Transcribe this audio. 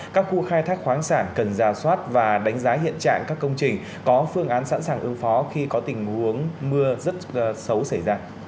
các khu khai thác khoáng sản cần ra soát và đánh giá hiện trạng các công trình có phương án sẵn sàng ứng phó khi có tình huống mưa rất xấu xảy ra